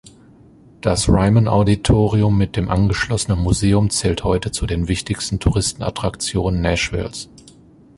Das Ryman Auditorium mit dem angeschlossenen Museum zählt heute zu den wichtigsten Touristen-Attraktionen Nashvilles.